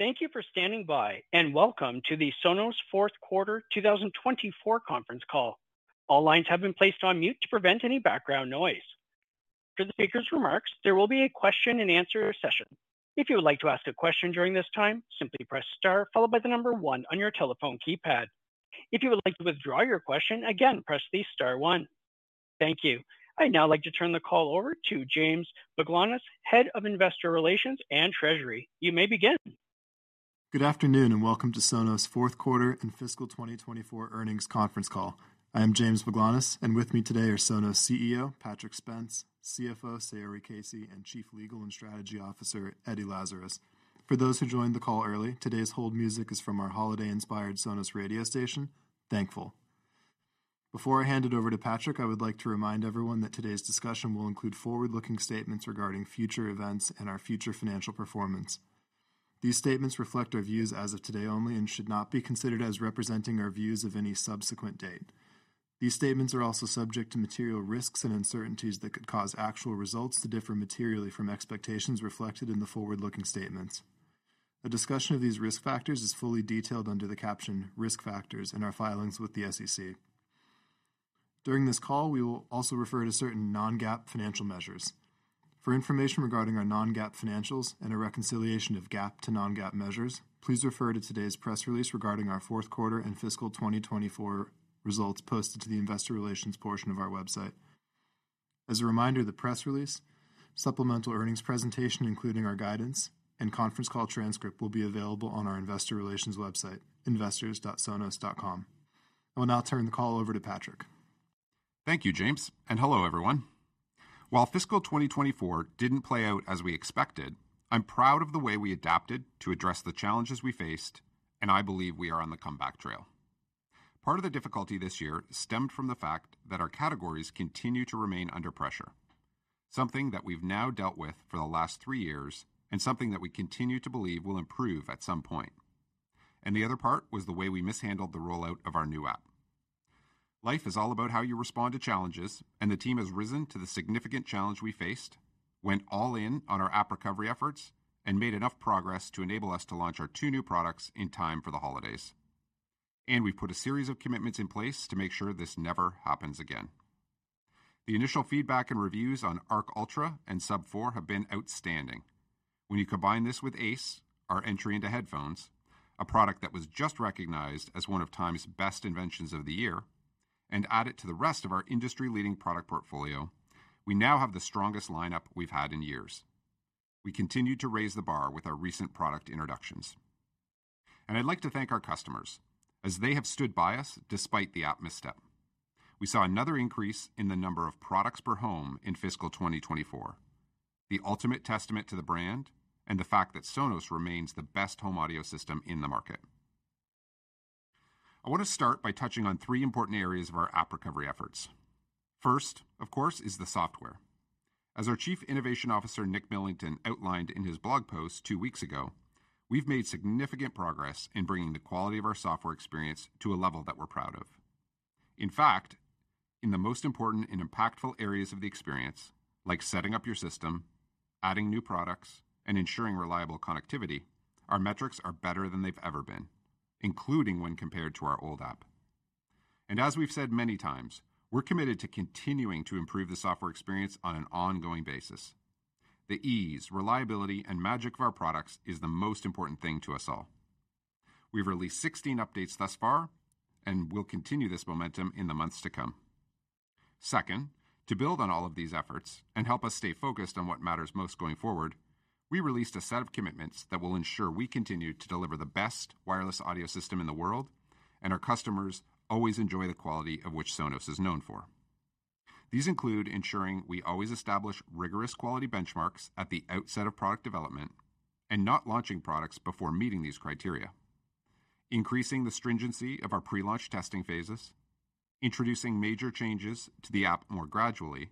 Thank you for standing by, and welcome to the Sonos Fourth Quarter 2024 conference call. All lines have been placed on mute to prevent any background noise. After the speaker's remarks, there will be a question-and-answer session. If you would like to ask a question during this time, simply press Star, followed by the number One on your telephone keypad. If you would like to withdraw your question, again, press the Star One. Thank you. I'd now like to turn the call over to James Baglanis, Head of Investor Relations and Treasury. You may begin. Good afternoon, and welcome to Sonos Fourth Quarter and Fiscal 2024 earnings conference call. I am James Baglanis, and with me today are Sonos CEO Patrick Spence, CFO Saori Casey, and Chief Legal and Strategy Officer Eddie Lazarus. For those who joined the call early, today's hold music is from our holiday-inspired Sonos radio station, Thankful. Before I hand it over to Patrick, I would like to remind everyone that today's discussion will include forward-looking statements regarding future events and our future financial performance. These statements reflect our views as of today only and should not be considered as representing our views of any subsequent date. These statements are also subject to material risks and uncertainties that could cause actual results to differ materially from expectations reflected in the forward-looking statements. A discussion of these risk factors is fully detailed under the caption "Risk Factors" in our filings with the SEC. During this call, we will also refer to certain non-GAAP financial measures. For information regarding our non-GAAP financials and a reconciliation of GAAP to non-GAAP measures, please refer to today's press release regarding our fourth quarter and fiscal 2024 results posted to the Investor Relations portion of our website. As a reminder, the press release, supplemental earnings presentation, including our guidance and conference call transcript, will be available on our Investor Relations website, investors.sonos.com. I will now turn the call over to Patrick. Thank you, James, and hello, everyone. While fiscal 2024 didn't play out as we expected, I'm proud of the way we adapted to address the challenges we faced, and I believe we are on the comeback trail. Part of the difficulty this year stemmed from the fact that our categories continue to remain under pressure, something that we've now dealt with for the last three years and something that we continue to believe will improve at some point, and the other part was the way we mishandled the rollout of our new app. Life is all about how you respond to challenges, and the team has risen to the significant challenge we faced, went all in on our app recovery efforts, and made enough progress to enable us to launch our two new products in time for the holidays. And we've put a series of commitments in place to make sure this never happens again. The initial feedback and reviews on Arc Ultra and Sub 4 have been outstanding. When you combine this with Ace, our entry into headphones, a product that was just recognized as one of Time's best inventions of the year, and add it to the rest of our industry-leading product portfolio, we now have the strongest lineup we've had in years. We continue to raise the bar with our recent product introductions. And I'd like to thank our customers, as they have stood by us despite the app misstep. We saw another increase in the number of products per home in fiscal 2024, the ultimate testament to the brand, and the fact that Sonos remains the best home audio system in the market. I want to start by touching on three important areas of our app recovery efforts. First, of course, is the software. As our Chief Innovation Officer, Nick Millington, outlined in his blog post two weeks ago, we've made significant progress in bringing the quality of our software experience to a level that we're proud of. In fact, in the most important and impactful areas of the experience, like setting up your system, adding new products, and ensuring reliable connectivity, our metrics are better than they've ever been, including when compared to our old app, and as we've said many times, we're committed to continuing to improve the software experience on an ongoing basis. The ease, reliability, and magic of our products is the most important thing to us all. We've released 16 updates thus far, and we'll continue this momentum in the months to come. Second, to build on all of these efforts and help us stay focused on what matters most going forward, we released a set of commitments that will ensure we continue to deliver the best wireless audio system in the world, and our customers always enjoy the quality of which Sonos is known for. These include ensuring we always establish rigorous quality benchmarks at the outset of product development and not launching products before meeting these criteria, increasing the stringency of our pre-launch testing phases, introducing major changes to the app more gradually,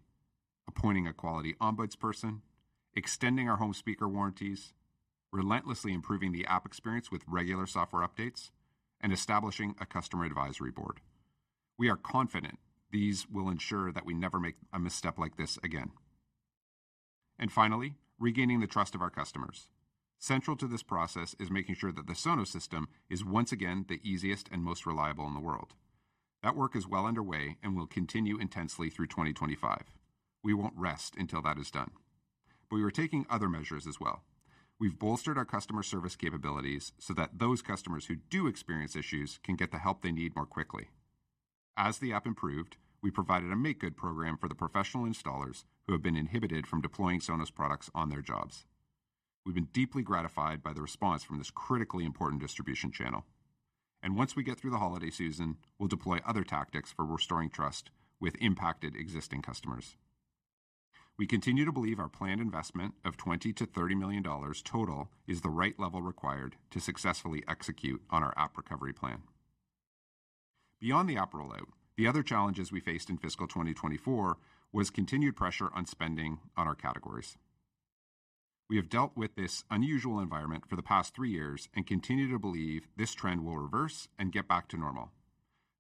appointing a quality ombudsperson, extending our home speaker warranties, relentlessly improving the app experience with regular software updates, and establishing a customer advisory board. We are confident these will ensure that we never make a misstep like this again, and finally, regaining the trust of our customers. Central to this process is making sure that the Sonos system is once again the easiest and most reliable in the world. That work is well underway and will continue intensely through 2025. We won't rest until that is done, but we were taking other measures as well. We've bolstered our customer service capabilities so that those customers who do experience issues can get the help they need more quickly. As the app improved, we provided a make-good program for the professional installers who have been inhibited from deploying Sonos products on their jobs. We've been deeply gratified by the response from this critically important distribution channel, and once we get through the holiday season, we'll deploy other tactics for restoring trust with impacted existing customers. We continue to believe our planned investment of $20-$30 million total is the right level required to successfully execute on our app recovery plan. Beyond the app rollout, the other challenges we faced in fiscal 2024 was continued pressure on spending on our categories. We have dealt with this unusual environment for the past three years and continue to believe this trend will reverse and get back to normal,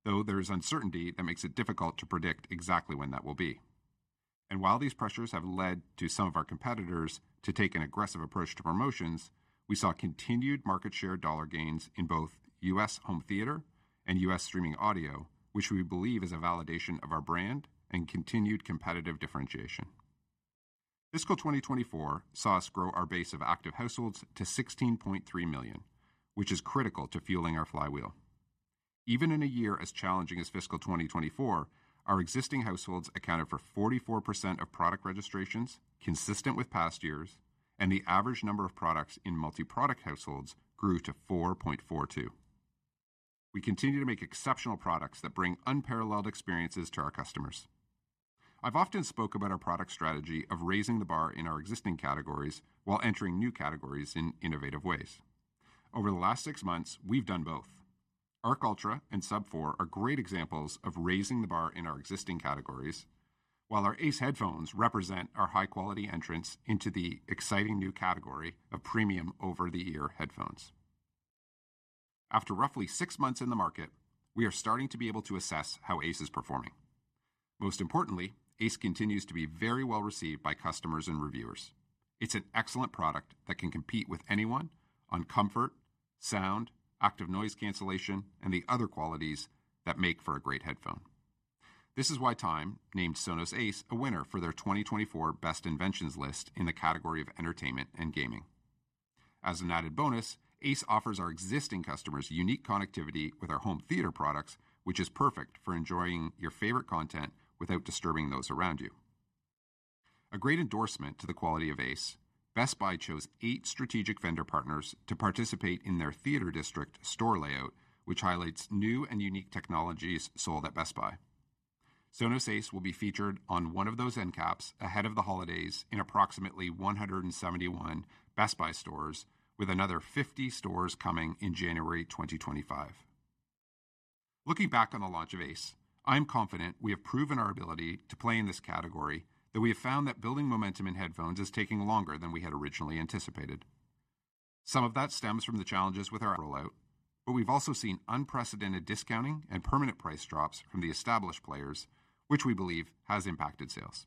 though there is uncertainty that makes it difficult to predict exactly when that will be. And while these pressures have led to some of our competitors to take an aggressive approach to promotions, we saw continued market share dollar gains in both U.S. home theater and U.S. streaming audio, which we believe is a validation of our brand and continued competitive differentiation. Fiscal 2024 saw us grow our base of active households to 16.3 million, which is critical to fueling our flywheel. Even in a year as challenging as fiscal 2024, our existing households accounted for 44% of product registrations consistent with past years, and the average number of products in multi-product households grew to 4.42. We continue to make exceptional products that bring unparalleled experiences to our customers. I've often spoke about our product strategy of raising the bar in our existing categories while entering new categories in innovative ways. Over the last six months, we've done both. Arc Ultra and Sub 4 are great examples of raising the bar in our existing categories, while our Ace headphones represent our high-quality entrance into the exciting new category of premium over-the-ear headphones. After roughly six months in the market, we are starting to be able to assess how Ace is performing. Most importantly, Ace continues to be very well received by customers and reviewers. It's an excellent product that can compete with anyone on comfort, sound, active noise cancellation, and the other qualities that make for a great headphone. This is why Time named Sonos Ace a winner for their 2024 Best Inventions list in the category of entertainment and gaming. As an added bonus, Ace offers our existing customers unique connectivity with our home theater products, which is perfect for enjoying your favorite content without disturbing those around you. A great endorsement to the quality of Ace, Best Buy chose eight strategic vendor partners to participate in their theater district store layout, which highlights new and unique technologies sold at Best Buy. Sonos Ace will be featured on one of those end caps ahead of the holidays in approximately 171 Best Buy stores, with another 50 stores coming in January 2025. Looking back on the launch of Ace, I'm confident we have proven our ability to play in this category. That we have found that building momentum in headphones is taking longer than we had originally anticipated. Some of that stems from the challenges with our rollout, but we've also seen unprecedented discounting and permanent price drops from the established players, which we believe has impacted sales.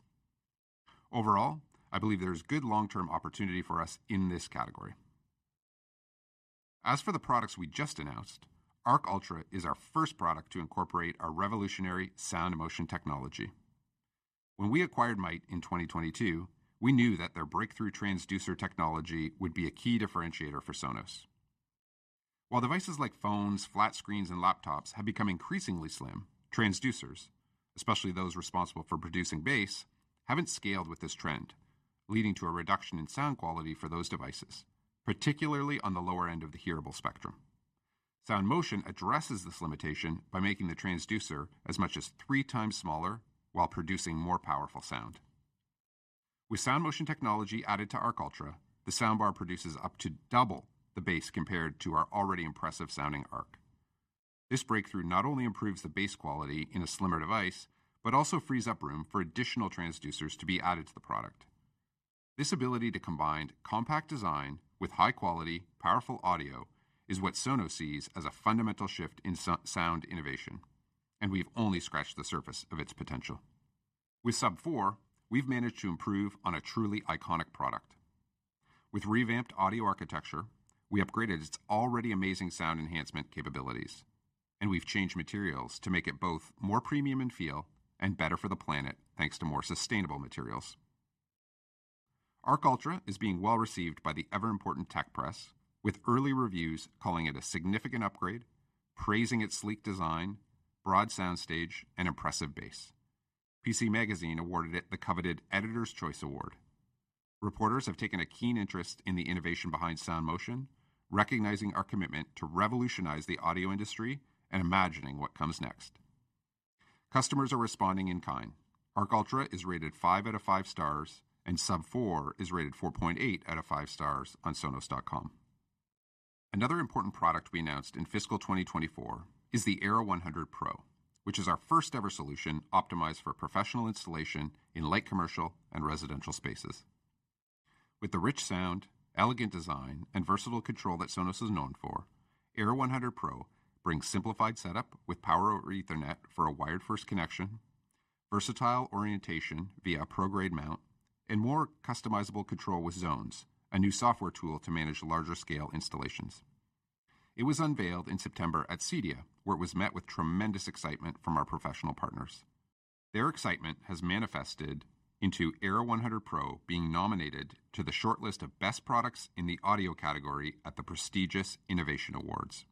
Overall, I believe there is good long-term opportunity for us in this category. As for the products we just announced, Arc Ultra is our first product to incorporate our revolutionary Sound Motion technology. When we acquired Mayht in 2022, we knew that their breakthrough transducer technology would be a key differentiator for Sonos. While devices like phones, flat screens, and laptops have become increasingly slim, transducers, especially those responsible for producing bass, haven't scaled with this trend, leading to a reduction in sound quality for those devices, particularly on the lower end of the audible spectrum. Sound Motion addresses this limitation by making the transducer as much as three times smaller while producing more powerful sound. With Sound Motion technology added to Arc Ultra, the soundbar produces up to double the bass compared to our already impressive-sounding Arc. This breakthrough not only improves the bass quality in a slimmer device, but also frees up room for additional transducers to be added to the product. This ability to combine compact design with high-quality, powerful audio is what Sonos sees as a fundamental shift in sound innovation, and we've only scratched the surface of its potential. With Sub 4, we've managed to improve on a truly iconic product. With revamped audio architecture, we upgraded its already amazing sound enhancement capabilities, and we've changed materials to make it both more premium in feel and better for the planet, thanks to more sustainable materials. Arc Ultra is being well received by the ever-important tech press, with early reviews calling it a significant upgrade, praising its sleek design, broad soundstage, and impressive bass. PC Magazine awarded it the coveted Editor's Choice Award. Reporters have taken a keen interest in the innovation behind Sound Motion, recognizing our commitment to revolutionize the audio industry and imagining what comes next. Customers are responding in kind. Arc Ultra is rated five out of five stars, and Sub 4 is rated 4.8 out of five stars on Sonos.com. Another important product we announced in fiscal 2024 is the Era 100 Pro, which is our first-ever solution optimized for professional installation in light commercial and residential spaces. With the rich sound, elegant design, and versatile control that Sonos is known for, Era 100 Pro brings simplified setup with Power over Ethernet for a wired-first connection, versatile orientation via a pro-grade mount, and more customizable control with zones, a new software tool to manage larger-scale installations. It was unveiled in September at CEDIA, where it was met with tremendous excitement from our professional partners. Their excitement has manifested into Era 100 Pro being nominated to the shortlist of best products in the audio category at the prestigious Innovation Awards.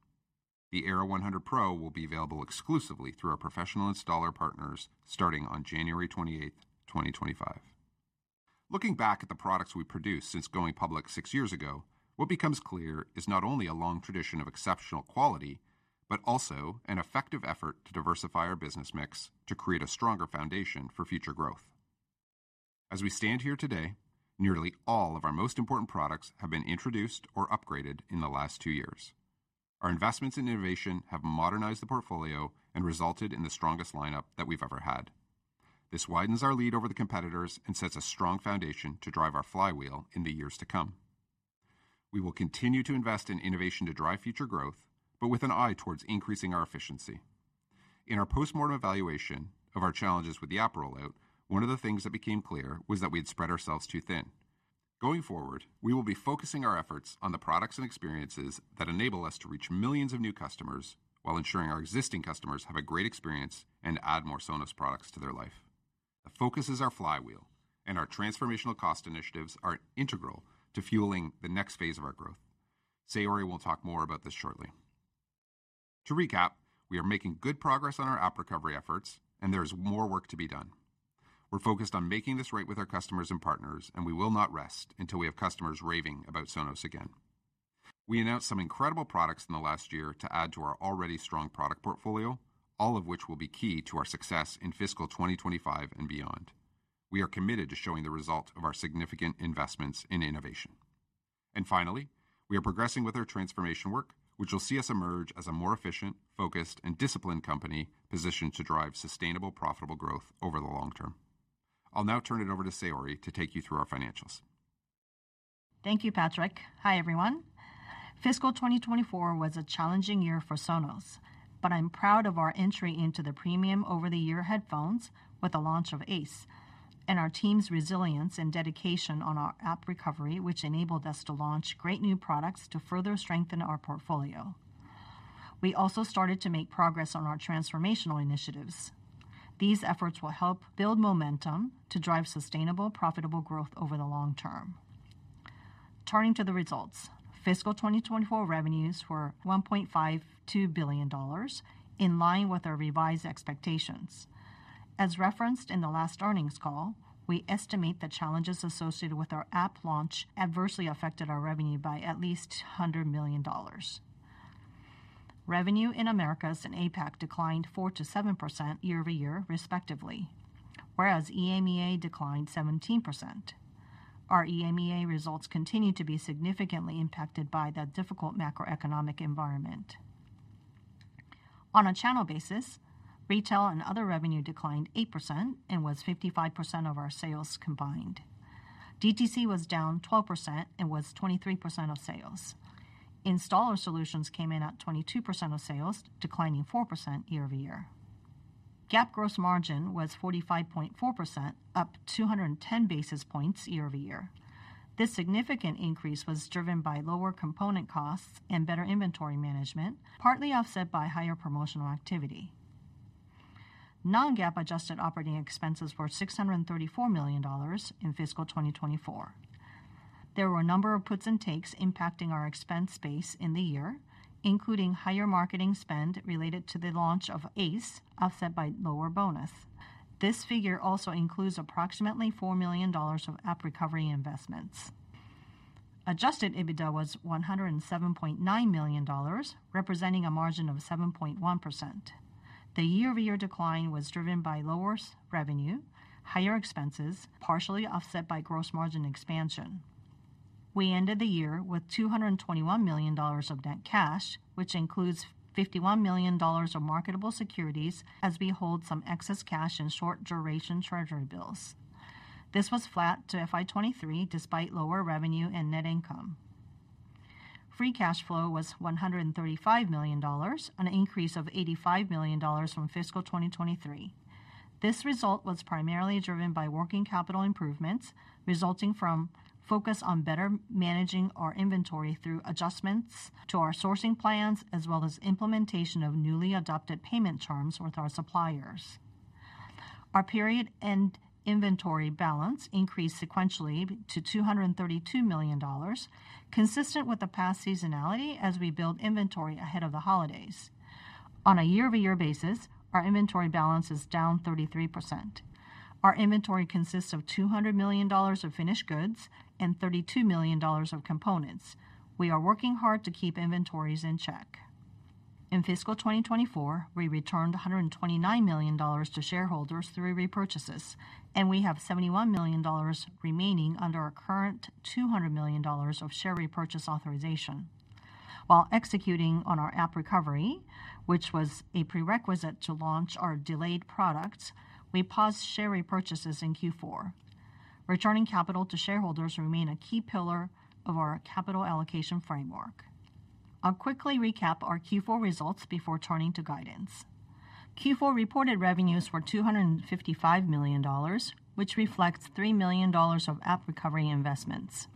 The Era 100 Pro will be available exclusively through our professional installer partners starting on January 28th, 2025. Looking back at the products we've produced since going public six years ago, what becomes clear is not only a long tradition of exceptional quality, but also an effective effort to diversify our business mix to create a stronger foundation for future growth. As we stand here today, nearly all of our most important products have been introduced or upgraded in the last two years. Our investments in innovation have modernized the portfolio and resulted in the strongest lineup that we've ever had. This widens our lead over the competitors and sets a strong foundation to drive our flywheel in the years to come. We will continue to invest in innovation to drive future growth, but with an eye towards increasing our efficiency. In our post-mortem evaluation of our challenges with the app rollout, one of the things that became clear was that we had spread ourselves too thin. Going forward, we will be focusing our efforts on the products and experiences that enable us to reach millions of new customers while ensuring our existing customers have a great experience and add more Sonos products to their life. The focus is our flywheel, and our transformational cost initiatives are integral to fueling the next phase of our growth. Saori will talk more about this shortly. To recap, we are making good progress on our app recovery efforts, and there is more work to be done. We're focused on making this right with our customers and partners, and we will not rest until we have customers raving about Sonos again. We announced some incredible products in the last year to add to our already strong product portfolio, all of which will be key to our success in fiscal 2025 and beyond. We are committed to showing the result of our significant investments in innovation, and finally, we are progressing with our transformation work, which will see us emerge as a more efficient, focused, and disciplined company positioned to drive sustainable, profitable growth over the long term. I'll now turn it over to Saori to take you through our financials. Thank you, Patrick. Hi, everyone. Fiscal 2024 was a challenging year for Sonos, but I'm proud of our entry into the premium over-the-ear headphones with the launch of Ace and our team's resilience and dedication on our app recovery, which enabled us to launch great new products to further strengthen our portfolio. We also started to make progress on our transformational initiatives. These efforts will help build momentum to drive sustainable, profitable growth over the long term. Turning to the results, fiscal 2024 revenues were $1.52 billion, in line with our revised expectations. As referenced in the last earnings call, we estimate the challenges associated with our app launch adversely affected our revenue by at least $100 million. Revenue in America and APAC declined 4% to 7% year over year, respectively, whereas EMEA declined 17%. Our EMEA results continue to be significantly impacted by that difficult macroeconomic environment. On a channel basis, retail and other revenue declined 8% and was 55% of our sales combined. DTC was down 12% and was 23% of sales. Installer solutions came in at 22% of sales, declining 4% year over year. GAAP gross margin was 45.4%, up 210 basis points year over year. This significant increase was driven by lower component costs and better inventory management, partly offset by higher promotional activity. Non-GAAP adjusted operating expenses were $634 million in fiscal 2024. There were a number of puts and takes impacting our expense base in the year, including higher marketing spend related to the launch of Ace, offset by lower bonus. This figure also includes approximately $4 million of app recovery investments. Adjusted EBITDA was $107.9 million, representing a margin of 7.1%. The year-over-year decline was driven by lower revenue, higher expenses, partially offset by gross margin expansion. We ended the year with $221 million of net cash, which includes $51 million of marketable securities as we hold some excess cash in short-duration treasury bills. This was flat to FY 2023 despite lower revenue and net income. Free cash flow was $135 million, an increase of $85 million from fiscal 2023. This result was primarily driven by working capital improvements resulting from focus on better managing our inventory through adjustments to our sourcing plans, as well as implementation of newly adopted payment terms with our suppliers. Our period-end inventory balance increased sequentially to $232 million, consistent with the past seasonality as we build inventory ahead of the holidays. On a year-over-year basis, our inventory balance is down 33%. Our inventory consists of $200 million of finished goods and $32 million of components. We are working hard to keep inventories in check. In fiscal 2024, we returned $129 million to shareholders through repurchases, and we have $71 million remaining under our current $200 million of share repurchase authorization. While executing on our app recovery, which was a prerequisite to launch our delayed products, we paused share repurchases in Q4. Returning capital to shareholders remained a key pillar of our capital allocation framework. I'll quickly recap our Q4 results before turning to guidance. Q4 reported revenues were $255 million, which reflects $3 million of app recovery investments.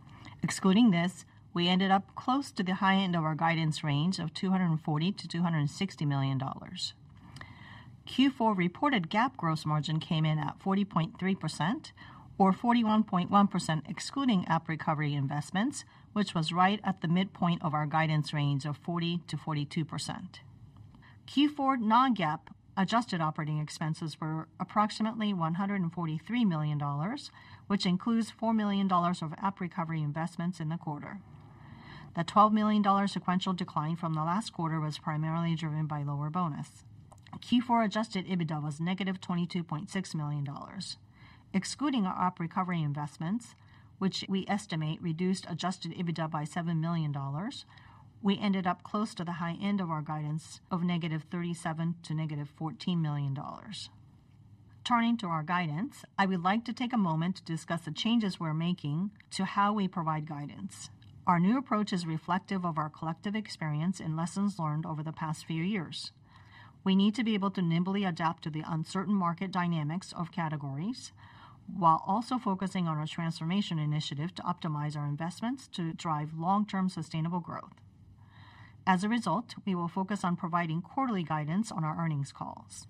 Excluding this, we ended up close to the high end of our guidance range of $240-$260 million. Q4 reported GAAP gross margin came in at 40.3%, or 41.1% excluding app recovery investments, which was right at the midpoint of our guidance range of 40%-42%. Q4 non-GAAP adjusted operating expenses were approximately $143 million, which includes $4 million of app recovery investments in the quarter. The $12 million sequential decline from the last quarter was primarily driven by lower bonus. Q4 adjusted EBITDA was negative $22.6 million. Excluding our app recovery investments, which we estimate reduced Adjusted EBITDA by $7 million, we ended up close to the high end of our guidance of negative $37-$14 million. Turning to our guidance, I would like to take a moment to discuss the changes we're making to how we provide guidance. Our new approach is reflective of our collective experience and lessons learned over the past few years. We need to be able to nimbly adapt to the uncertain market dynamics of categories while also focusing on our transformation initiative to optimize our investments to drive long-term sustainable growth. As a result, we will focus on providing quarterly guidance on our earnings calls.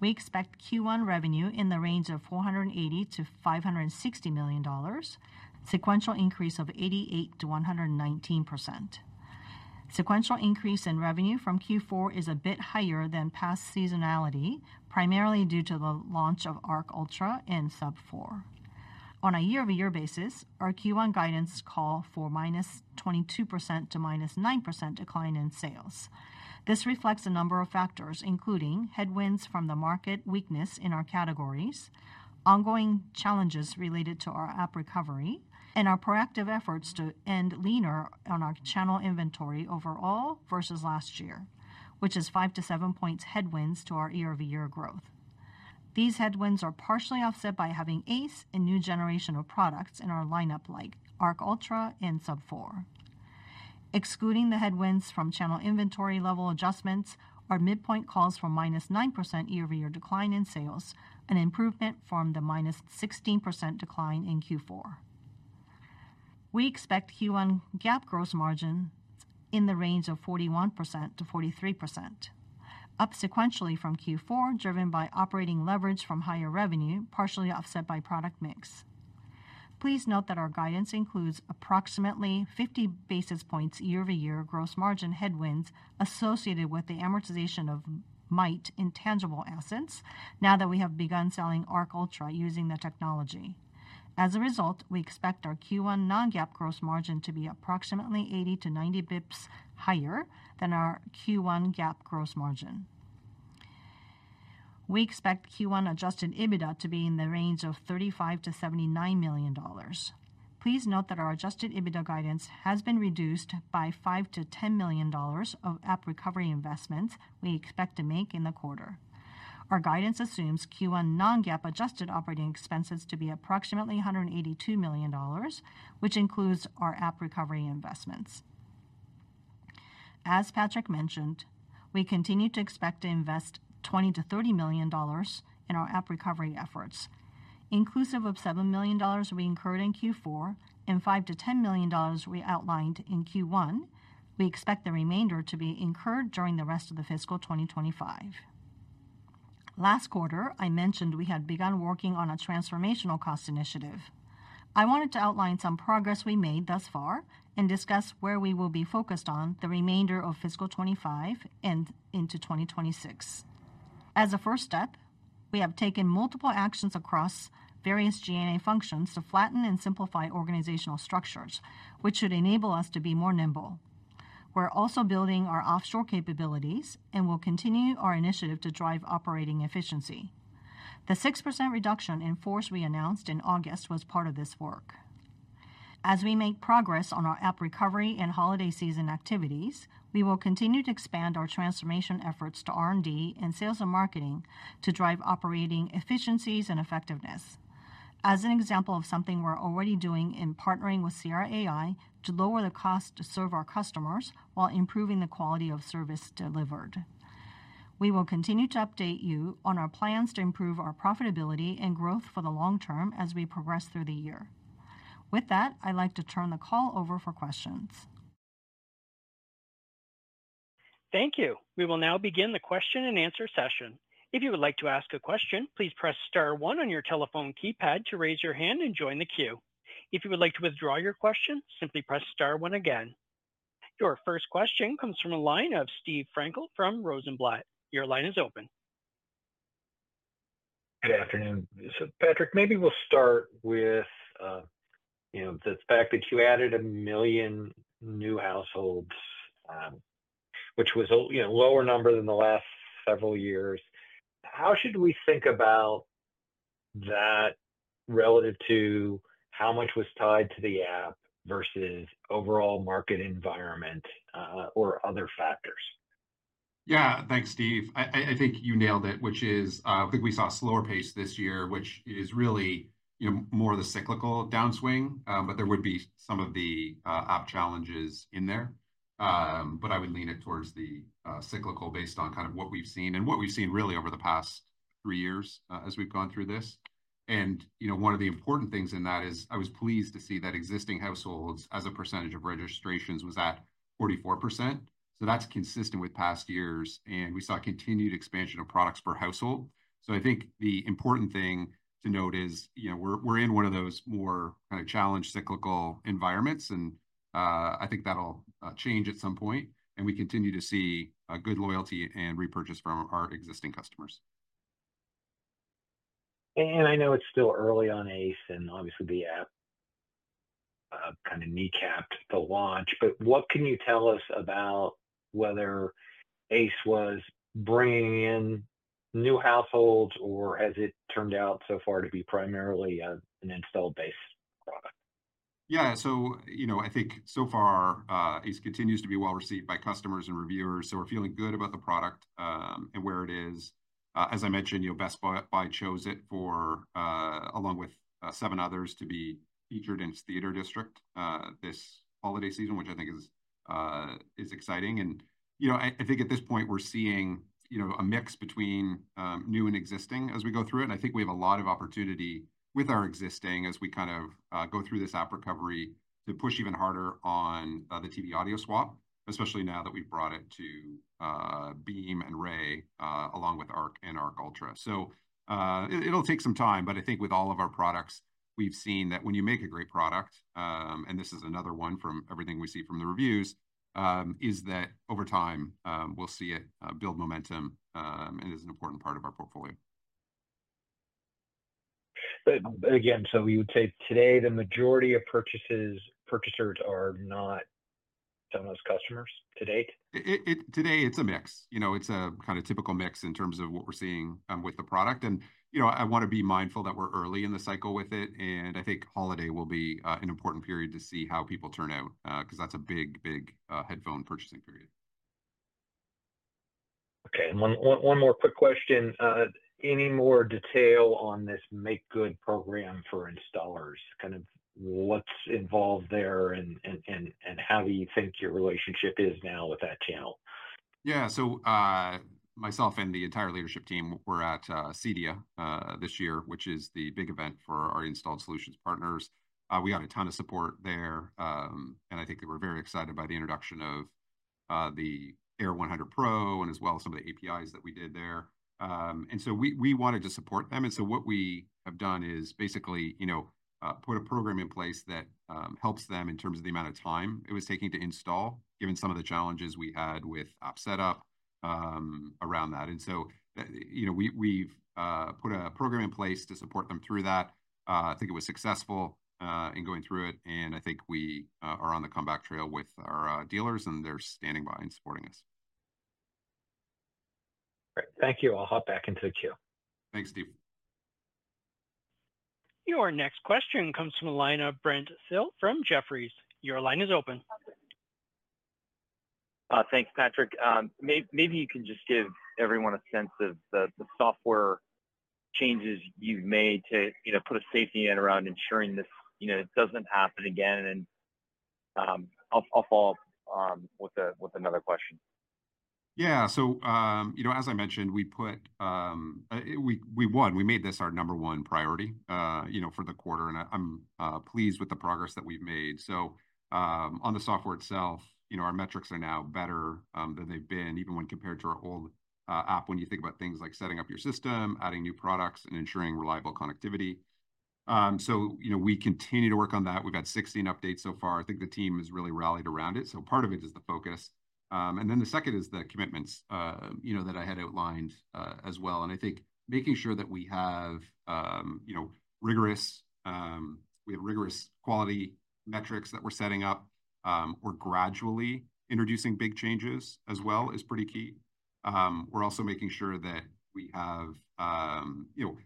We expect Q1 revenue in the range of $480-$560 million, sequential increase of 88%-119%. Sequential increase in revenue from Q4 is a bit higher than past seasonality, primarily due to the launch of Arc Ultra and Sub 4. On a year-over-year basis, our Q1 calls for -22% to -9% decline in sales. this reflects a number of factors, including headwinds from the market weakness in our categories, ongoing challenges related to our app recovery, and our proactive efforts to end leaner on our channel inventory overall versus last year, which is five to seven points headwinds to our year-over-year growth. These headwinds are partially offset by having Ace and new generation of products in our lineup like Arc Ultra and Sub 4. Excluding the headwinds from channel inventory level adjustments, our midpoint calls for minus 9% year-over-year decline in sales, an improvement from the minus 16% decline in Q4. We expect Q1 GAAP gross margin in the range of 41%-43%, up sequentially from Q4, driven by operating leverage from higher revenue, partially offset by product mix. Please note that our guidance includes approximately 50 basis points year-over-year gross margin headwinds associated with the amortization of Mayht intangible assets now that we have begun selling Arc Ultra using the technology. As a result, we expect our Q1 non-GAAP gross margin to be approximately 80 to 90 basis points higher than our Q1 GAAP gross margin. We expect Q1 adjusted EBITDA to be in the range of $35-$79 million. Please note that our adjusted EBITDA guidance has been reduced by $5-$10 million of app recovery investments we expect to make in the quarter. Our guidance assumes Q1 non-GAAP adjusted operating expenses to be approximately $182 million, which includes our app recovery investments. As Patrick mentioned, we continue to expect to invest $20-$30 million in our app recovery efforts. Inclusive of $7 million we incurred in Q4 and $5-$10 million we outlined in Q1, we expect the remainder to be incurred during the rest of the fiscal 2025. Last quarter, I mentioned we had begun working on a transformational cost initiative. I wanted to outline some progress we made thus far and discuss where we will be focused on the remainder of fiscal 2025 and into 2026. As a first step, we have taken multiple actions across various G&A functions to flatten and simplify organizational structures, which should enable us to be more nimble. We're also building our offshore capabilities and will continue our initiative to drive operating efficiency. The 6% reduction in force we announced in August was part of this work. As we make progress on our app recovery and holiday season activities, we will continue to expand our transformation efforts to R&D and sales and marketing to drive operating efficiencies and effectiveness. As an example of something we're already doing in partnering with Sierra AI to lower the cost to serve our customers while improving the quality of service delivered. We will continue to update you on our plans to improve our profitability and growth for the long term as we progress through the year. With that, I'd like to turn the call over for questions. Thank you. We will now begin the question and answer session. If you would like to ask a question, please press star one on your telephone keypad to raise your hand and join the queue. If you would like to withdraw your question, simply press star one again. Your first question comes from a line of Steve Frankel from Rosenblatt. Your line is open. Good afternoon. So, Patrick, maybe we'll start with, you know, the fact that you added a million new households, which was a lower number than the last several years. How should we think about that relative to how much was tied to the app versus overall market environment or other factors? Yeah, thanks, Steve. I think you nailed it, which is, I think we saw a slower pace this year, which is really, you know, more of the cyclical downswing, but there would be some of the app challenges in there. But I would lean it towards the cyclical based on kind of what we've seen and what we've seen really over the past three years as we've gone through this. You know, one of the important things in that is I was pleased to see that existing households as a percentage of registrations was at 44%. That's consistent with past years, and we saw continued expansion of products per household. I think the important thing to note is, you know, we're in one of those more kind of challenged cyclical environments, and I think that'll change at some point. We continue to see good loyalty and repurchase from our existing customers. I know it's still early on Ace and obviously the app kind of kneecapped the launch, but what can you tell us about whether Ace was bringing in new households or has it turned out so far to be primarily an installed base product? Yeah. You know, I think so far Ace continues to be well received by customers and reviewers. We're feeling good about the product and where it is. As I mentioned, you know, Best Buy chose it for, along with seven others, to be featured in its theater district this holiday season, which I think is exciting. You know, I think at this point we're seeing, you know, a mix between new and existing as we go through it. I think we have a lot of opportunity with our existing as we kind of go through this app recovery to push even harder on the TV Audio Swap, especially now that we've brought it to Beam and Ray, along with Arc and Arc Ultra. So, it'll take some time, but I think with all of our products, we've seen that when you make a great product, and this is another one from everything we see from the reviews, is that over time we'll see it build momentum and is an important part of our portfolio. But again, so we would say today the majority of purchasers are not Sonos customers to date? Today it's a mix. You know, it's a kind of typical mix in terms of what we're seeing with the product. And, you know, I want to be mindful that we're early in the cycle with it. And I think holiday will be an important period to see how people turn out because that's a big, big headphone purchasing period. Okay. And one more quick question. Any more detail on this Make Good program for installers? Kind of what's involved there and how do you think your relationship is now with that channel? Yeah, so myself and the entire leadership team, we're at CEDIA this year, which is the big event for our installed solutions partners. We got a ton of support there, and I think they were very excited by the introduction of the Era 100 Pro and as well as some of the APIs that we did there. And so we wanted to support them. And so what we have done is basically, you know, put a program in place that helps them in terms of the amount of time it was taking to install, given some of the challenges we had with app setup around that. And so, you know, we've put a program in place to support them through that. I think it was successful in going through it, and I think we are on the comeback trail with our dealers, and they're standing by and supporting us. Great. Thank you. I'll hop back into the queue. Thanks, Steve. Your next question comes from Brent Thill from Jefferies. Your line is open. Thanks, Patrick. Maybe you can just give everyone a sense of the software changes you've made to, you know, put a safety net around ensuring this, you know, it doesn't happen again. And I'll follow up with another question. Yeah. So, you know, as I mentioned, we made this our number one priority, you know, for the quarter, and I'm pleased with the progress that we've made. So on the software itself, you know, our metrics are now better than they've been, even when compared to our old app, when you think about things like setting up your system, adding new products, and ensuring reliable connectivity. So, you know, we continue to work on that. We've had 16 updates so far. I think the team has really rallied around it. So part of it is the focus. And then the second is the commitments, you know, that I had outlined as well. And I think making sure that we have, you know, rigorous quality metrics that we're setting up. We're gradually introducing big changes as well is pretty key. We're also making sure that we have, you know,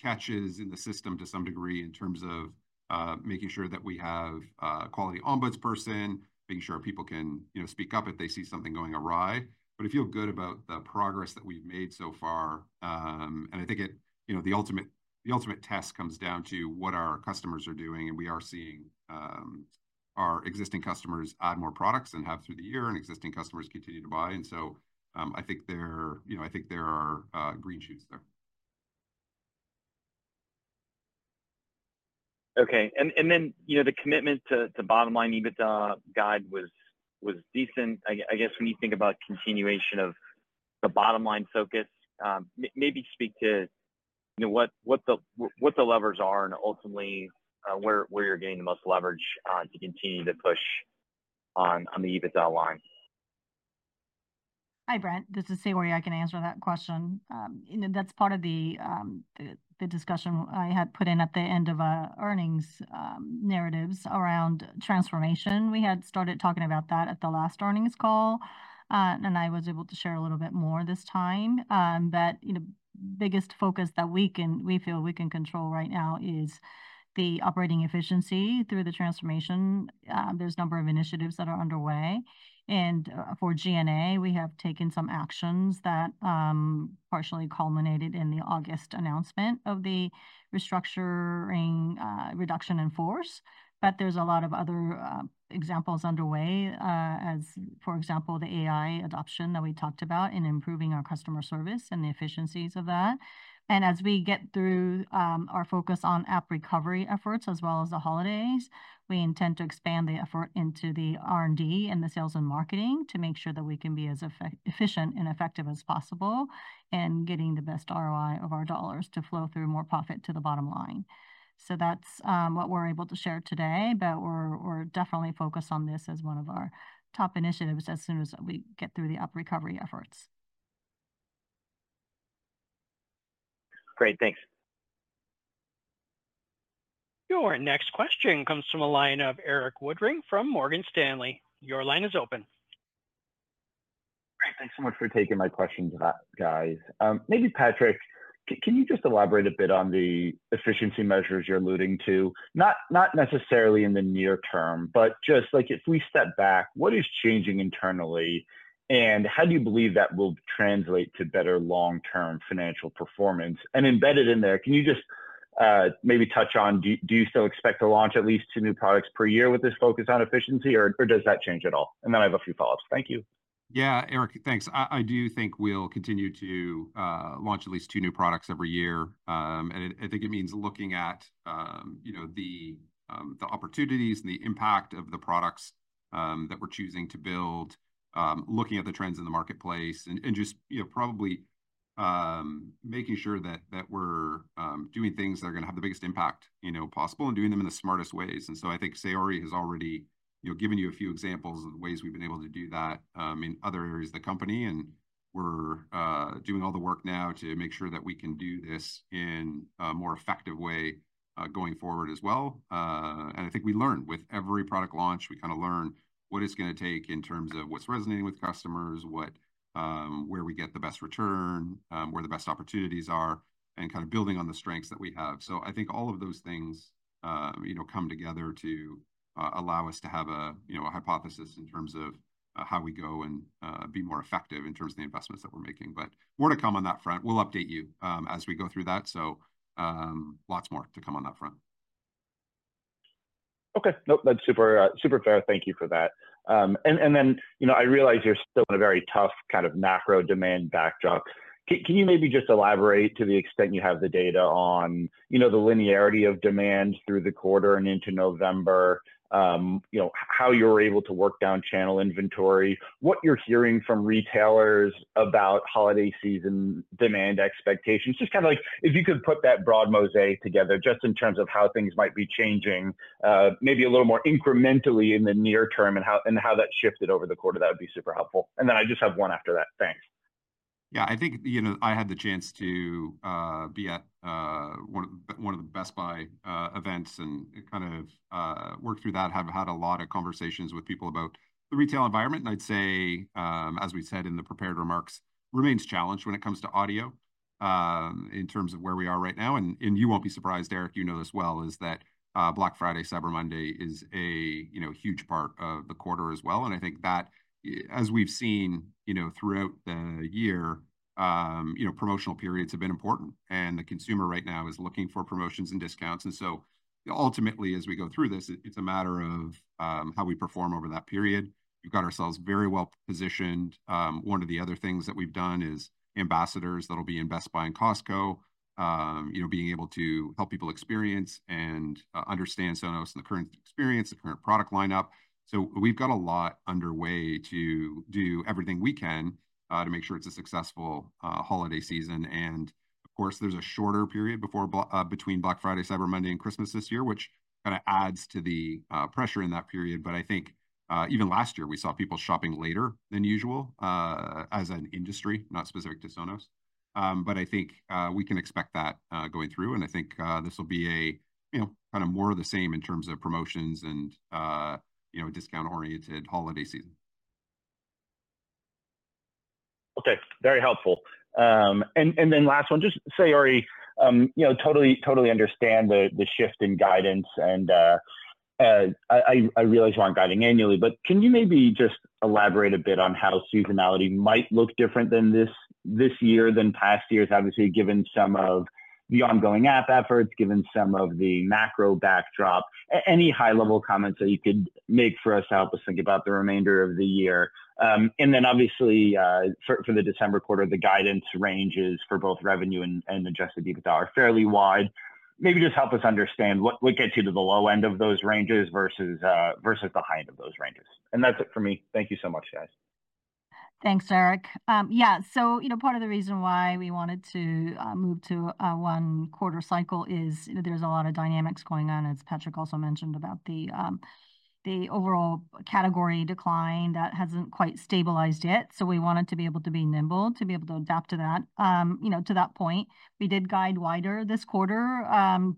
catches in the system to some degree in terms of making sure that we have a quality ombudsperson, making sure people can, you know, speak up if they see something going awry. But I feel good about the progress that we've made so far. And I think it, you know, the ultimate test comes down to what our customers are doing. And we are seeing our existing customers add more products and have through the year and existing customers continue to buy. And so I think they're, you know, I think there are green shoots there. Okay. And then, you know, the commitment to bottom line EBITDA guide was decent. I guess when you think about continuation of the bottom line focus, maybe speak to, you know, what the levers are and ultimately where you're getting the most leverage to continue to push on the EBITDA line. Hi, Brent. This is Saori. I can answer that question. That's part of the discussion I had put in at the end of our earnings narratives around transformation. We had started talking about that at the last earnings call, and I was able to share a little bit more this time. But, you know, biggest focus that we feel we can control right now is the operating efficiency through the transformation. There's a number of initiatives that are underway. And for G&A, we have taken some actions that partially culminated in the August announcement of the restructuring reduction in force. But there's a lot of other examples underway, as for example, the AI adoption that we talked about in improving our customer service and the efficiencies of that. And as we get through our focus on app recovery efforts as well as the holidays, we intend to expand the effort into the R&D and the sales and marketing to make sure that we can be as efficient and effective as possible and getting the best ROI of our dollars to flow through more profit to the bottom line. So that's what we're able to share today, but we're definitely focused on this as one of our top initiatives as soon as we get through the app recovery efforts. Great. Thanks. Your next question comes from a line of Erik Woodring from Morgan Stanley. Your line is open. Great. Thanks so much for taking my question to that, guys. Maybe Patrick, can you just elaborate a bit on the efficiency measures you're alluding to, not necessarily in the near term, but just like if we step back, what is changing internally and how do you believe that will translate to better long-term financial performance? And embedded in there, can you just maybe touch on, do you still expect to launch at least two new products per year with this focus on efficiency, or does that change at all? And then I have a few follow-ups. Thank you. Yeah, Eric, thanks. I do think we'll continue to launch at least two new products every year. And I think it means looking at, you know, the opportunities and the impact of the products that we're choosing to build, looking at the trends in the marketplace, and just, you know, probably making sure that we're doing things that are going to have the biggest impact, you know, possible and doing them in the smartest ways. And so I think Saori has already, you know, given you a few examples of the ways we've been able to do that in other areas of the company. And we're doing all the work now to make sure that we can do this in a more effective way going forward as well. I think we learn with every product launch, we kind of learn what it's going to take in terms of what's resonating with customers, where we get the best return, where the best opportunities are, and kind of building on the strengths that we have, so I think all of those things, you know, come together to allow us to have a, you know, a hypothesis in terms of how we go and be more effective in terms of the investments that we're making, but more to come on that front. We'll update you as we go through that, so lots more to come on that front. Okay. Nope, that's super, super fair. Thank you for that, and then, you know, I realize you're still in a very tough kind of macro demand backdrop. Can you maybe just elaborate to the extent you have the data on, you know, the linearity of demand through the quarter and into November, you know, how you're able to work down channel inventory, what you're hearing from retailers about holiday season demand expectations, just kind of like if you could put that broad mosaic together just in terms of how things might be changing, maybe a little more incrementally in the near term and how that shifted over the quarter, that would be super helpful. And then I just have one after that. Thanks. Yeah, I think, you know, I had the chance to be at one of the Best Buy events and kind of work through that, have had a lot of conversations with people about the retail environment. I'd say, as we said in the prepared remarks, remains challenged when it comes to audio in terms of where we are right now. You won't be surprised, Erik. You know this well. [The fact] is that Black Friday, Cyber Monday is a, you know, huge part of the quarter as well. I think that as we've seen, you know, throughout the year, you know, promotional periods have been important. The consumer right now is looking for promotions and discounts. Ultimately, as we go through this, it's a matter of how we perform over that period. We've got ourselves very well positioned. One of the other things that we've done is ambassadors that'll be in Best Buy and Costco, you know, being able to help people experience and understand Sonos and the current experience, the current product lineup. So we've got a lot underway to do everything we can to make sure it's a successful holiday season. And of course, there's a shorter period between Black Friday, Cyber Monday, and Christmas this year, which kind of adds to the pressure in that period. But I think even last year we saw people shopping later than usual as an industry, not specific to Sonos. But I think we can expect that going through. And I think this will be a, you know, kind of more of the same in terms of promotions and, you know, discount-oriented holiday season. Okay. Very helpful. And then last one, just Saori, you know, totally, totally understand the shift in guidance. And I realize we aren't guiding annually, but can you maybe just elaborate a bit on how seasonality might look different than this year than past years, obviously, given some of the ongoing app efforts, given some of the macro backdrop, any high-level comments that you could make for us to help us think about the remainder of the year? And then obviously for the December quarter, the guidance ranges for both revenue and Adjusted EBITDA are fairly wide. Maybe just help us understand what gets you to the low end of those ranges versus the high end of those ranges? And that's it for me. Thank you so much, guys. Thanks, Erik. Yeah. So, you know, part of the reason why we wanted to move to one quarter cycle is there's a lot of dynamics going on. As Patrick also mentioned about the overall category decline that hasn't quite stabilized yet, so we wanted to be able to be nimble to be able to adapt to that, you know, to that point. We did guide wider this quarter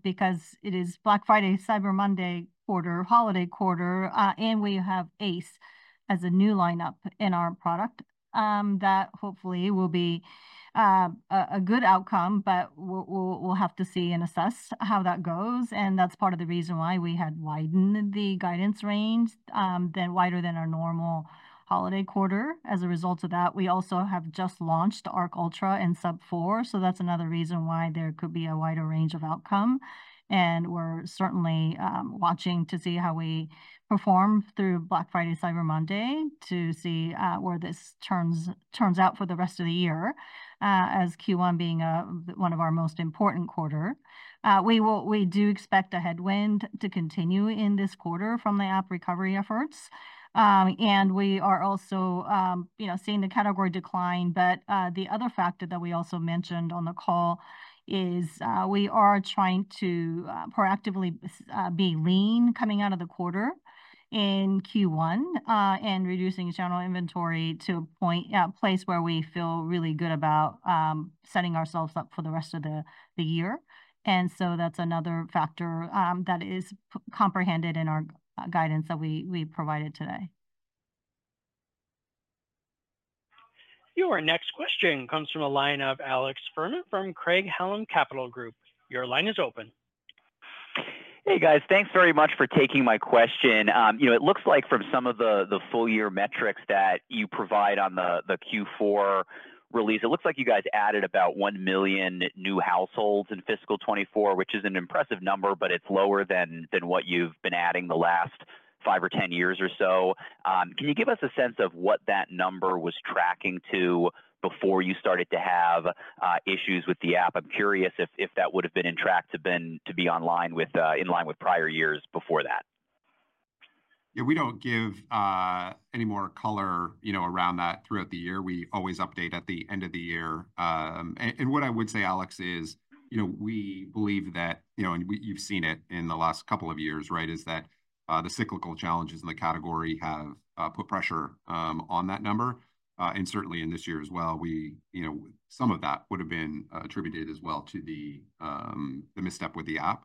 because it is Black Friday, Cyber Monday quarter, holiday quarter, and we have Ace as a new lineup in our product that hopefully will be a good outcome, but we'll have to see and assess how that goes, and that's part of the reason why we had widened the guidance range, then wider than our normal holiday quarter. As a result of that, we also have just launched Arc Ultra and Sub 4, so that's another reason why there could be a wider range of outcome. We're certainly watching to see how we perform through Black Friday, Cyber Monday to see where this turns out for the rest of the year, as Q1 being one of our most important quarters. We do expect a headwind to continue in this quarter from the app recovery efforts. We are also, you know, seeing the category decline. The other factor that we also mentioned on the call is we are trying to proactively be lean coming out of the quarter in Q1 and reducing general inventory to a point, a place where we feel really good about setting ourselves up for the rest of the year. That's another factor that is comprehended in our guidance that we provided today. Your next question comes from a line of Alex Fuhrman from Craig-Hallum Capital Group. Your line is open. Hey, guys, thanks very much for taking my question. You know, it looks like from some of the full year metrics that you provide on the Q4 release, it looks like you guys added about one million new households in fiscal 2024, which is an impressive number, but it's lower than what you've been adding the last five or ten years or so. Can you give us a sense of what that number was tracking to before you started to have issues with the app? I'm curious if that would have been in line with prior years before that. Yeah, we don't give any more color, you know, around that throughout the year. We always update at the end of the year. What I would say, Alex, is, you know, we believe that, you know, and you've seen it in the last couple of years, right, is that the cyclical challenges in the category have put pressure on that number. And certainly in this year as well, we, you know, some of that would have been attributed as well to the misstep with the app.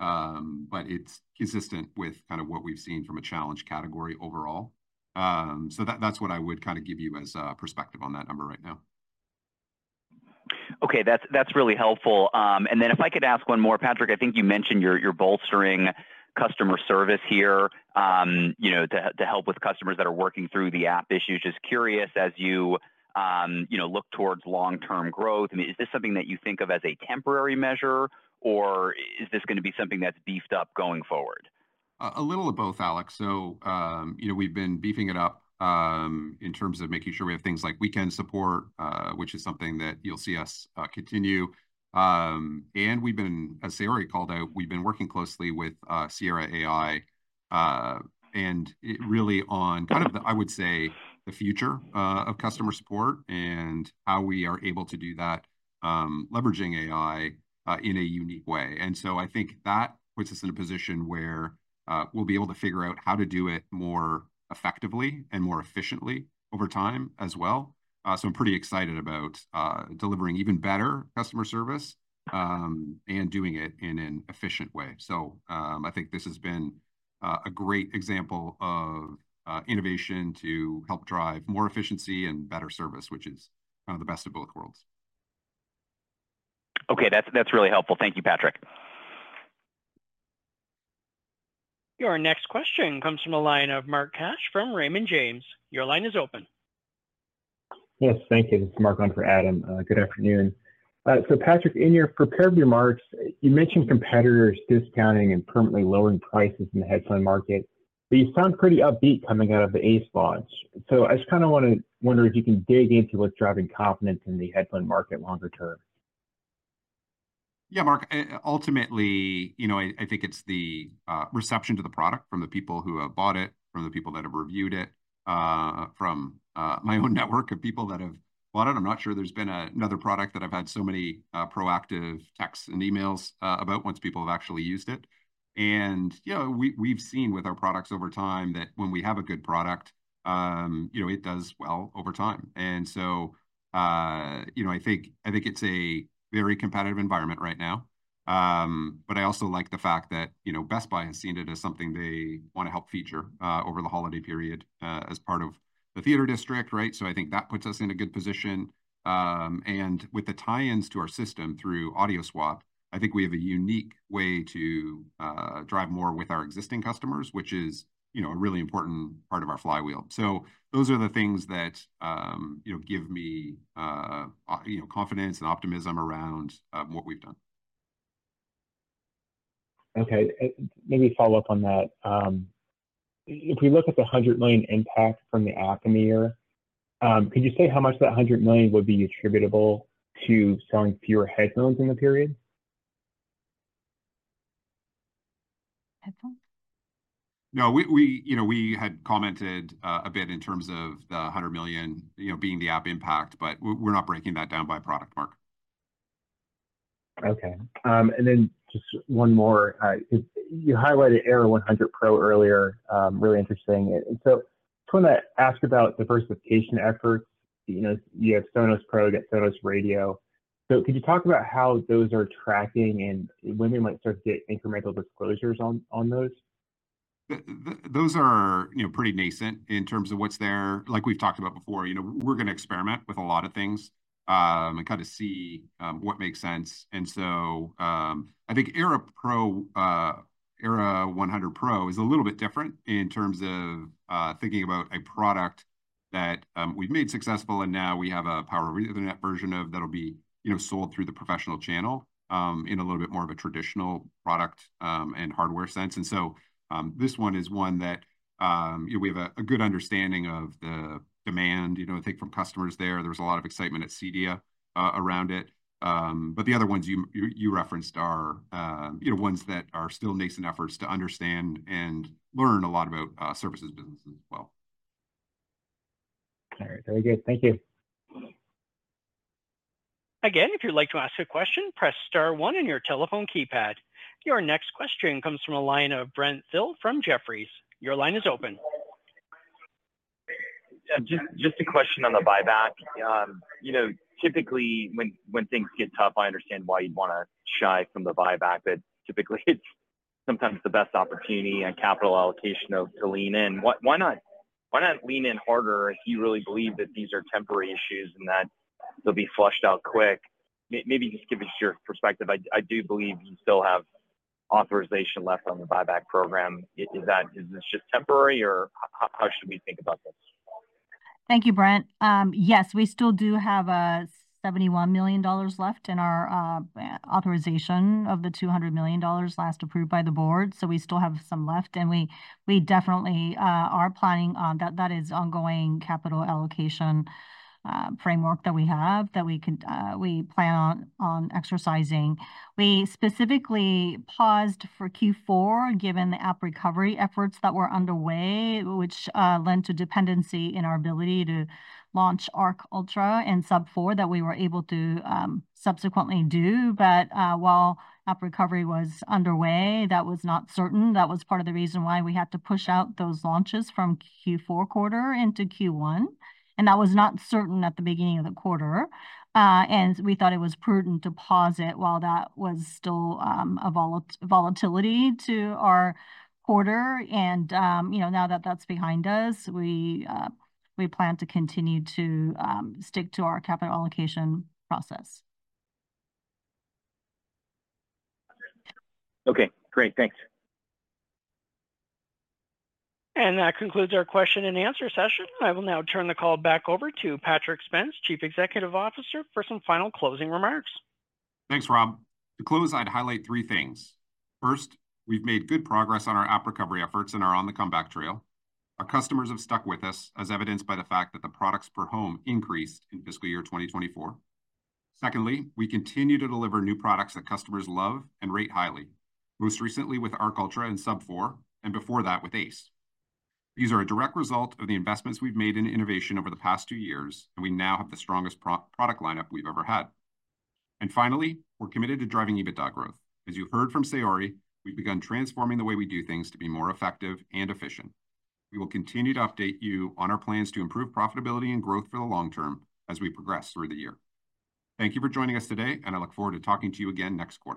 But it's consistent with kind of what we've seen from a challenged category overall. So that's what I would kind of give you as a perspective on that number right now. Okay, that's really helpful. And then if I could ask one more, Patrick, I think you mentioned you're bolstering customer service here, you know, to help with customers that are working through the app issues. Just curious as you, you know, look towards long-term growth. I mean, is this something that you think of as a temporary measure, or is this going to be something that's beefed up going forward? A little of both, Alex. So, you know, we've been beefing it up in terms of making sure we have things like weekend support, which is something that you'll see us continue. And we've been, as Saori called out, we've been working closely with Sierra AI and really on kind of the, I would say, the future of customer support and how we are able to do that leveraging AI in a unique way. And so I think that puts us in a position where we'll be able to figure out how to do it more effectively and more efficiently over time as well. So I'm pretty excited about delivering even better customer service and doing it in an efficient way. So I think this has been a great example of innovation to help drive more efficiency and better service, which is kind of the best of both worlds. Okay, that's really helpful. Thank you, Patrick. Your next question comes from a line of Mark Cash from Raymond James. Your line is open. Yes, thank you. This is Mark on for Adam. Good afternoon. So Patrick, in your prepared remarks, you mentioned competitors discounting and permanently lowering prices in the headphone market. But you sound pretty upbeat coming out of the Ace launch. So I just kind of want to wonder if you can dig into what's driving confidence in the headphone market longer term. Yeah, Mark, ultimately, you know, I think it's the reception to the product from the people who have bought it, from the people that have reviewed it, from my own network of people that have bought it. I'm not sure there's been another product that I've had so many proactive texts and emails about once people have actually used it. And, you know, we've seen with our products over time that when we have a good product, you know, it does well over time. And so, you know, I think it's a very competitive environment right now. But I also like the fact that, you know, Best Buy has seen it as something they want to help feature over the holiday period as part of the theater district, right? So I think that puts us in a good position. And with the tie-ins to our system through Audio Swap, I think we have a unique way to drive more with our existing customers, which is, you know, a really important part of our flywheel. So those are the things that, you know, give me, you know, confidence and optimism around what we've done. Okay, maybe follow up on that. If we look at the $100 million impact from the app in the year, could you say how much of that $100 million would be attributable to selling fewer headphones in the period? No, we, you know, we had commented a bit in terms of the $100 million, you know, being the app impact, but we're not breaking that down by product mix. Okay. And then just one more. You highlighted Era 100 Pro earlier. Really interesting. So I just want to ask about diversification efforts. You know, you have Sonos Pro, you got Sonos Radio. So could you talk about how those are tracking and when we might start to get incremental disclosures on those? Those are, you know, pretty nascent in terms of what's there. Like we've talked about before, you know, we're going to experiment with a lot of things and kind of see what makes sense. And so I think Era 100 Pro is a little bit different in terms of thinking about a product that we've made successful and now we have a Power over Ethernet version of that'll be, you know, sold through the professional channel in a little bit more of a traditional product and hardware sense. And so this one is one that, you know, we have a good understanding of the demand, you know, I think from customers there. There's a lot of excitement at CEDIA around it. But the other ones you referenced are, you know, ones that are still nascent efforts to understand and learn a lot about services businesses as well. All right, very good. Thank you. Again, if you'd like to ask a question, press star one in your telephone keypad. Your next question comes from a line of Brent Thill from Jefferies. Your line is open. Just a question on the buyback. You know, typically when things get tough, I understand why you'd want to shy from the buyback, but typically it's sometimes the best opportunity and capital allocation to lean in. Why not lean in harder if you really believe that these are temporary issues and that they'll be flushed out quick? Maybe just give us your perspective. I do believe you still have authorization left on the buyback program. Is that just temporary or how should we think about this? Thank you, Brent. Yes, we still do have a $71 million left in our authorization of the $200 million last approved by the board. So we still have some left and we definitely are planning on that. That is ongoing capital allocation framework that we have that we can plan on exercising. We specifically paused for Q4 given the app recovery efforts that were underway, which led to dependency in our ability to launch Arc Ultra and Sub 4 that we were able to subsequently do. But while app recovery was underway, that was not certain. That was part of the reason why we had to push out those launches from Q4 quarter into Q1. And that was not certain at the beginning of the quarter. And we thought it was prudent to pause it while that was still a volatility to our quarter. And, you know, now that that's behind us, we plan to continue to stick to our capital allocation process. Okay, great. Thanks. And that concludes our question and answer session. I will now turn the call back over to Patrick Spence, Chief Executive Officer, for some final closing remarks. Thanks, Rob. To close, I'd highlight three things. First, we've made good progress on our app recovery efforts and are on the comeback trail. Our customers have stuck with us, as evidenced by the fact that the products per home increased in fiscal year 2024. Secondly, we continue to deliver new products that customers love and rate highly, most recently with Arc Ultra and Sub 4, and before that with Ace. These are a direct result of the investments we've made in innovation over the past two years, and we now have the strongest product lineup we've ever had, and finally, we're committed to driving EBITDA growth. As you heard from Saori, we've begun transforming the way we do things to be more effective and efficient. We will continue to update you on our plans to improve profitability and growth for the long term as we progress through the year. Thank you for joining us today, and I look forward to talking to you again next quarter.